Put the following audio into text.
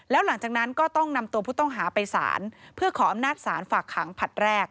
แล้วหลังจากนั้นก็ต้องนำตัวผู้ต้องหาไปสารเพื่อขออำนาจศาลฝากขังผลัดแรก